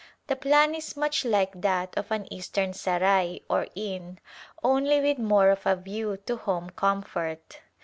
The plan is much like that of an Eastern Sarai or inn only with more of a view to home com fort.